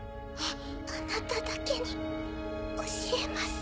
あなただけに教えます。